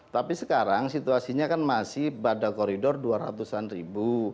tapi sekarang situasinya kan masih pada koridor dua ratus an ribu